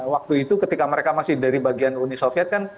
waktu itu ketika mereka masih dari bagian uni soviet kan